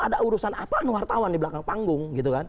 ada urusan apaan wartawan di belakang panggung gitu kan